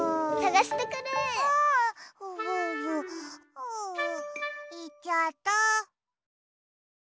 あいっちゃった。